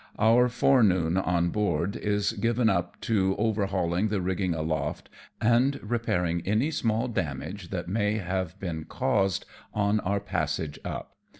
Our forenoon on board is given up to over hauling the rigging aloft and repairing any small damage that may have been caused on our passage up.